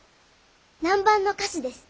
南蛮の菓子です。